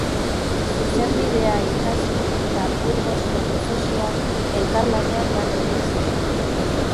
Zuzenbidea ikasi eta Burgosko prozesuan elkarlanean lan egin zuen.